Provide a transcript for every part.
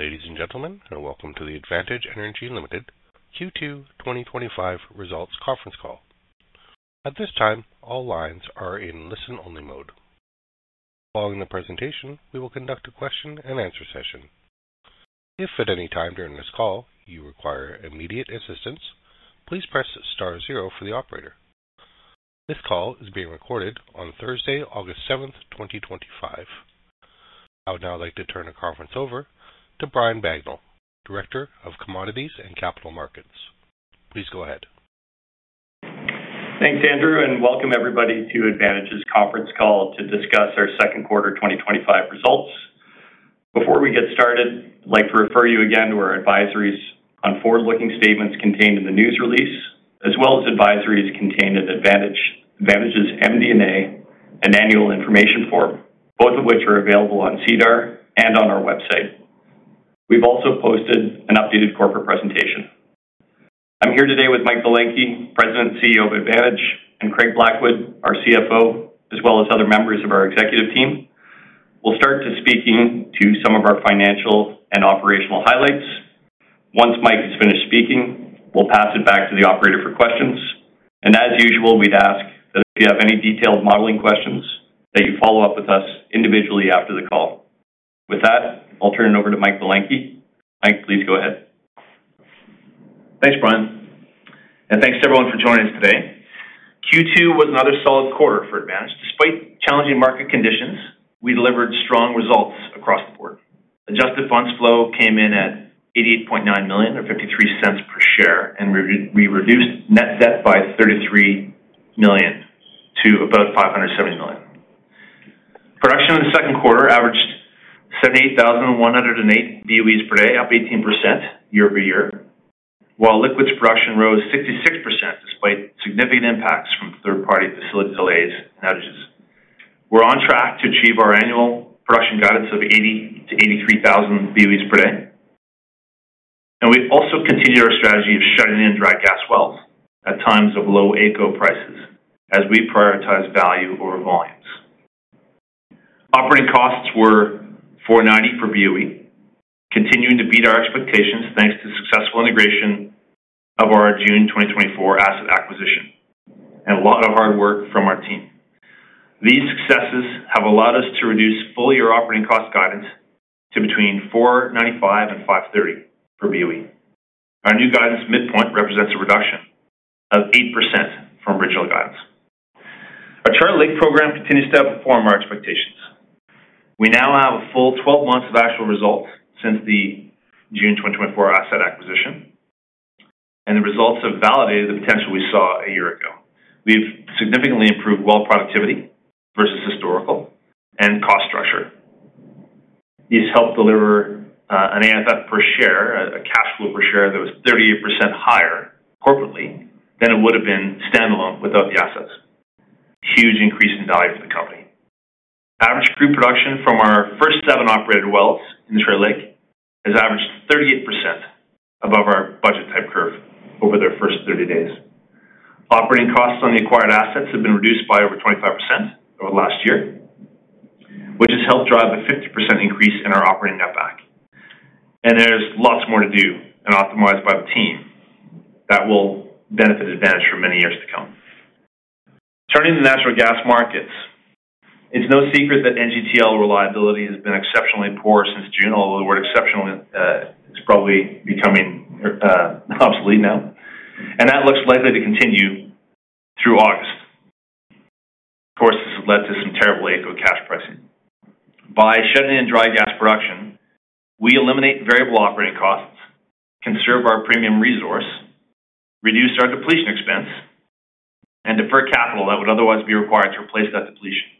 Morning, ladies and gentlemen, and welcome to the Advantage Energy Limited Q2 2025 Results Conference Call. At this time, all lines are in listen-only mode. Following the presentation, we will conduct a question-and-answer session. If at any time during this call you require immediate assistance, please press star zero for the operator. This call is being recorded on Thursday, August 7, 2025. I would now like to turn the conference over to Brian Bagnell, Director of Commodities and Capital Markets. Please go ahead. Thanks, Andrew, and welcome everybody to Advantage's Conference Call to discuss our Second Quarter 2025 Results. Before we get started, I'd like to refer you again to our advisories on forward-looking statements contained in the news release, as well as advisories contained in Advantage Energy Ltd.'s MD&A and annual information form, both of which are available on SEDAR and on our website. We've also posted an updated corporate presentation. I'm here today with Mike Belenkie, President and CEO of Advantage Energy Ltd., and Craig Blackwood, our CFO, as well as other members of our executive team. We'll start speaking to some of our financial and operational highlights. Once Mike has finished speaking, we'll pass it back to the operator for questions. If you have any detailed modeling questions, we'd ask that you follow up with us individually after the call. With that, I'll turn it over to Mike Belenkie. Mike, please go ahead. Thanks, Brian. Thanks to everyone for joining us today. Q2 was another solid quarter for Advantage. Despite challenging market conditions, we delivered strong results across the board. Adjusted funds flow came in at $88.9 million or $0.53 per share, and we reduced net debt by $33 million to about $570 million. Production in the second quarter averaged 78,108 boe/d, up 18% year-over-year, while liquids production rose 66% despite significant impacts from third-party facility delays and outages. We are on track to achieve our annual production guidance of 80,000 boe/d-83,000 boe/d. We also continued our strategy of shutting in dry gas wells at times of low AECO prices as we prioritize value over volumes. Operating costs were $4.90 per boe, continuing to beat our expectations thanks to successful integration of our June 2024 asset acquisition and a lot of hard work from our team. These successes have allowed us to reduce full-year operating cost guidance to between $4.95 and $5.30 per boe. Our new guidance midpoint represents a reduction of 8% from original guidance. Our Chartered Lake program continues to outperform our expectations. We now have a full 12 months of actual results since the June 2024 asset acquisition, and the results have validated the potential we saw a year ago. We have significantly improved well productivity versus historical and cost structure. These help deliver an AFF per share, a cash flow per share that was 38% higher corporately than it would have been standalone without the assets. A huge increase in value for the company. Average crew production from our first seven operated wells in the Chartered Lake has averaged 38% above our budget type curve over their first 30 days. Operating costs on the acquired assets have been reduced by over 25% over the last year, which has helped drive a 50% increase in our operating netback. There is lots more to do and optimize by the team that will benefit Advantage for many years to come. Turning to the natural gas markets, it is no secret that NGTL reliability has been exceptionally poor since June, although the word exceptionally is probably becoming obsolete now. That looks likely to continue through August. Of course, this has led to some terrible AECO cash pricing. By shutting in dry gas production, we eliminate variable operating costs, conserve our premium resource, reduce our depletion expense, and defer capital that would otherwise be required to replace that depletion.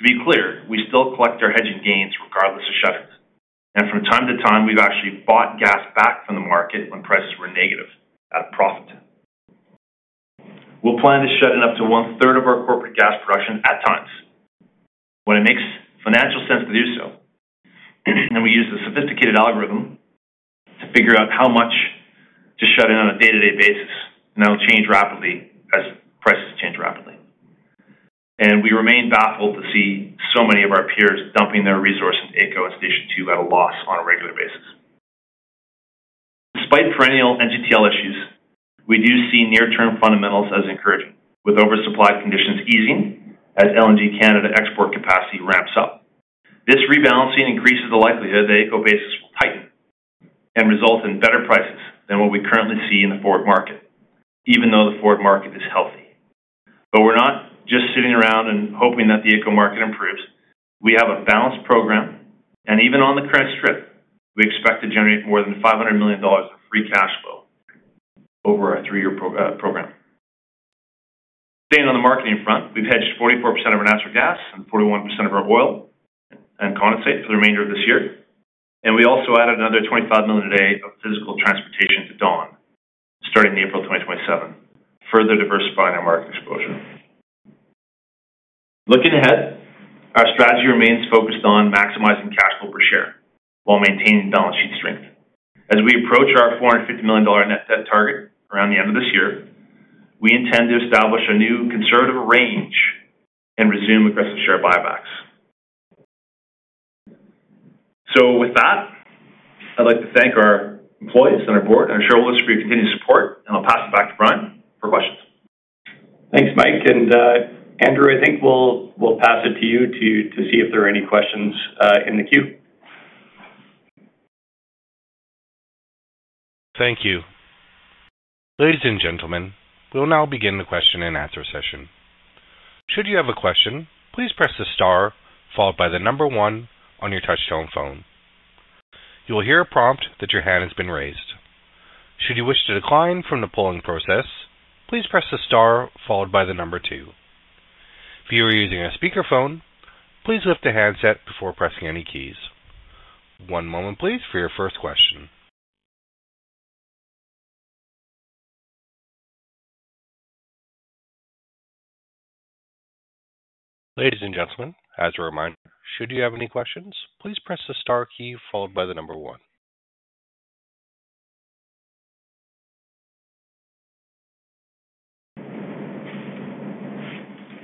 To be clear, we still collect our hedging gains regardless of shutting. From time to time, we've actually bought gas back from the market when prices were negative at a profit tip. We plan to shut in up to one-third of our corporate gas production at times when it makes financial sense to do so. We use a sophisticated algorithm to figure out how much to shut in on a day-to-day basis. That will change rapidly as prices change rapidly. We remain baffled to see so many of our peers dumping their resources into AECO at Station 2 at a loss on a regular basis. Despite perennial NGTL issues, we do see near-term fundamentals as encouraging, with oversupplied conditions easing as LNG Canada export capacity ramps up. This rebalancing increases the likelihood that AECO bases tighten and result in better prices than what we currently see in the forward market, even though the forward market is healthy. We are not just sitting around and hoping that the AECO market improves. We have a balanced program, and even on the credit strip, we expect to generate more than $500 million of free cash flow over our three-year program. Staying on the marketing front, we've hedged 44% of our natural gas and 41% of our oil and condensate for the remainder of this year. We also added another 25 million a day of physical transportation to Dawn, starting in April 2027, further diversifying our market exposure. Looking ahead, our strategy remains focused on maximizing cash flow per share while maintaining balance sheet strength. As we approach our $450 million net debt target around the end of this year, we intend to establish a new conservative range and resume aggressive share buybacks. I would like to thank our employees and our board and our shareholders for your continued support, and I'll pass it back to Brian for questions. Thanks, Mike. Andrew, I think we'll pass it to you to see if there are any questions in the queue. Thank you. Ladies and gentlemen, we'll now begin the question-and-answer session. Should you have a question, please press the star followed by the number one on your touch-tone phone. You will hear a prompt that your hand has been raised. Should you wish to decline from the polling process, please press the star followed by the number two. If you are using a speaker phone, please lift a handset before pressing any keys. One moment, please, for your first question. Ladies and gentlemen, as a reminder, should you have any questions, please press the star key followed by the number one.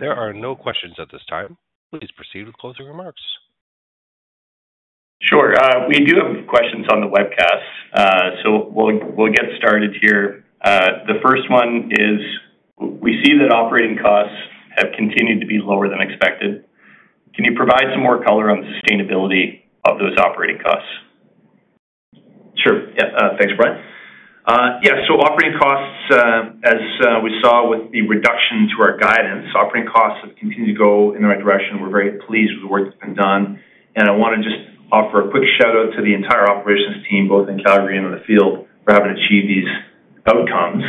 There are no questions at this time. Please proceed with closing remarks. We do have questions on the webcast. We'll get started here. The first one is, "We see that operating costs have continued to be lower than expected. Can you provide some more color on the sustainability of those operating costs?" Sure. Yeah. Thanks, Brian. Yeah, so operating costs, as we saw with the reduction to our guidance, operating costs have continued to go in the right direction. We're very pleased with the work that's been done. I want to just offer a quick shout out to the entire operations team, both in Calgary and on the field, for having achieved these outcomes.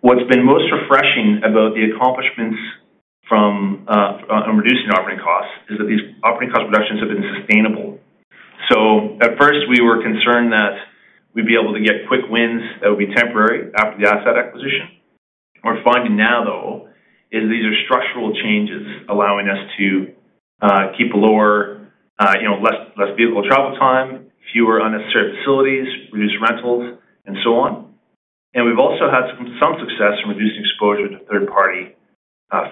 What's been most refreshing about the accomplishments from reducing operating costs is that these operating cost reductions have been sustainable. At first, we were concerned that we'd be able to get quick wins that would be temporary after the asset acquisition. What we're finding now, though, is these are structural changes allowing us to keep a lower, you know, less vehicle travel time, fewer unnecessary facilities, reduce rentals, and so on. We've also had some success in reducing exposure to third-party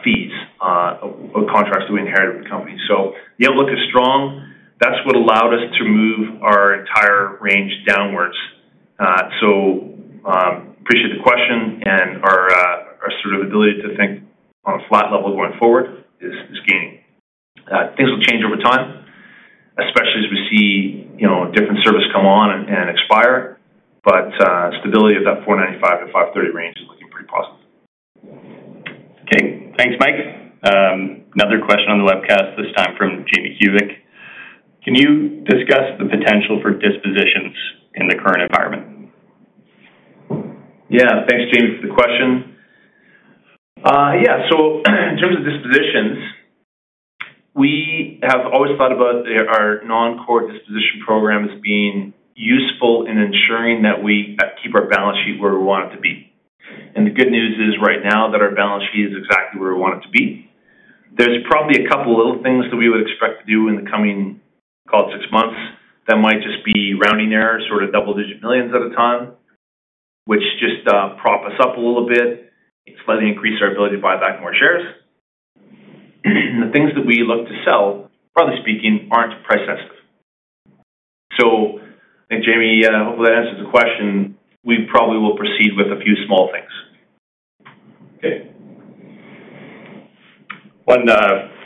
fees or contracts that we inherited from companies. The outlook is strong. That's what allowed us to move our entire range downwards. I appreciate the question and our sort of ability to think on a flat level going forward is gaining. Things will change over time, especially as we see, you know, different service come on and expire. Stability of that $4.95-$5.30 range is looking pretty positive. Thanks, Mike. Another question on the webcast, this time from Jamie Kubik. "Can you discuss the potential for dispositions in the current environment?" Yeah, thanks, Jamie, for the question. In terms of dispositions, we have always thought about our non-core disposition program as being useful in ensuring that we keep our balance sheet where we want it to be. The good news is right now that our balance sheet is exactly where we want it to be. There's probably a couple of little things that we would expect to do in the coming, call it six months, that might just be rounding errors, sort of double-digit millions at a time, which just prop us up a little bit, slightly increase our ability to buy back more shares. The things that we look to sell, broadly speaking, aren't price-sensitive. I think, Jamie, hopefully that answers the question. We probably will proceed with a few small things. One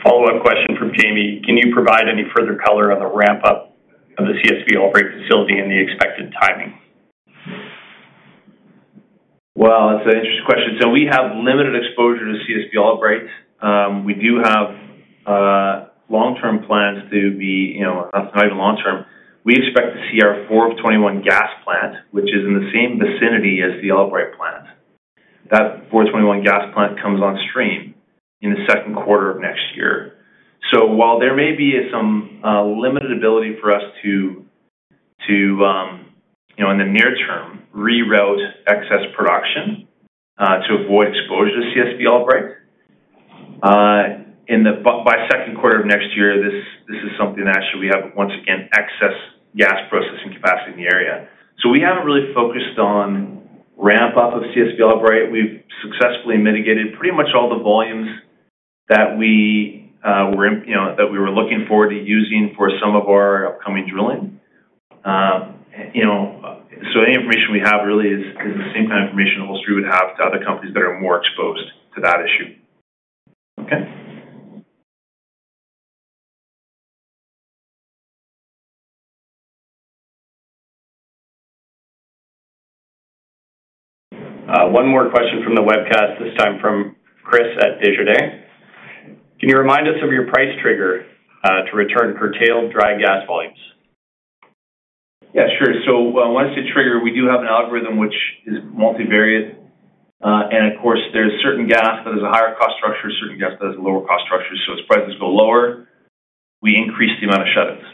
follow-up question from Jamie. "Can you provide any further color on the ramp-up of the CSV Albright facility and the expected timing?" That's an interesting question. We have limited exposure to CSV Albright. We do have long-term plans to be, you know, not even long-term. We expect to see our 4 of 21 gas plant, which is in the same vicinity as the Albright plant. That 4 of 21 gas plant comes on stream in the second quarter of next year. While there may be some limited ability for us to, you know, in the near term, reroute excess production to avoid exposure to CSV Albright, by the second quarter of next year, this is something that actually we have once again excess gas processing capacity in the area. We haven't really focused on ramp-up of CSV Albright. We've successfully mitigated pretty much all the volumes that we were, you know, that we were looking forward to using for some of our upcoming drilling. Any information we have really is the same kind of information the whole street would have to other companies that are more exposed to that issue. Okay. One more question from the webcast, this time from Chris at Déjà Dé. "Can you remind us of your price trigger to return curtailed dry gas volumes?" Yeah, sure. Once they trigger, we do have an algorithm which is multivariate. Of course, there's certain gas that has a higher cost structure, certain gas that has a lower cost structure. As prices go lower, we increase the amount of shut-ins.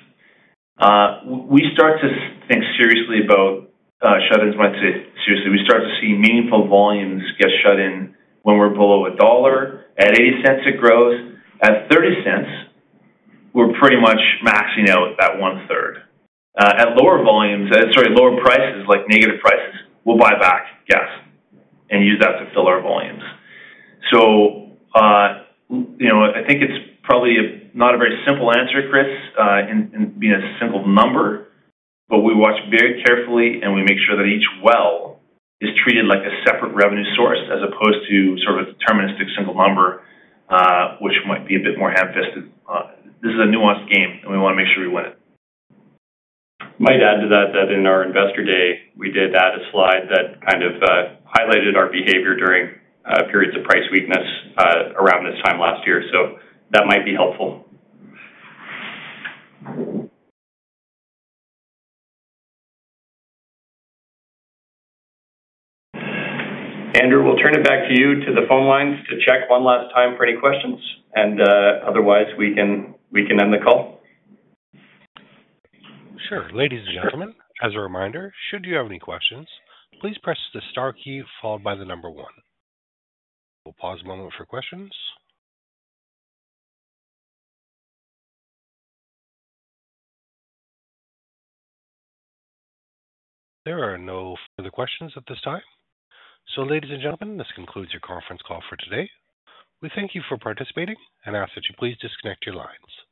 We start to think seriously about shut-ins. We start to see meaningful volumes get shut in when we're below $1. At $0.80, it grows. At $0.30, we're pretty much maxing out that one-third. At lower prices, like negative prices, we'll buy back gas and use that to fill our volumes. I think it's probably not a very simple answer, Chris, in being a single number, but we watch very carefully and we make sure that each well is treated like a separate revenue source as opposed to a deterministic single number, which might be a bit more heavy-handed. This is a nuanced game and we want to make sure we win it. might add to that that in our investor day, we did add a slide that kind of highlighted our behavior during periods of price weakness around this time last year. That might be helpful. Andrew, we'll turn it back to you to the phone lines to check one last time for any questions. Otherwise, we can end the call. Sure. Ladies and gentlemen, as a reminder, should you have any questions, please press the star key followed by the number one. We'll pause a moment for questions. There are no further questions at this time. Ladies and gentlemen, this concludes your conference call for today. We thank you for participating and ask that you please disconnect your lines.